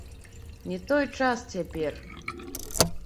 Не той час цяпер!